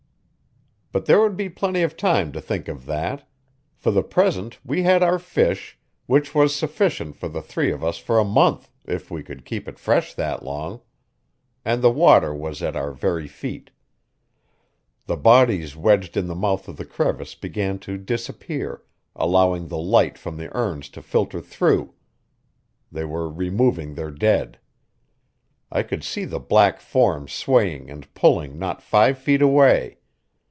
But there would be plenty of time to think of that; for the present we had our fish, which was sufficient for the three of us for a month, if we could keep it fresh that long. And the water was at our very feet. The bodies wedged in the mouth of the crevice began to disappear, allowing the light from the urns to filter through; they were removing their dead. I could see the black forms swaying and pulling not five feet away.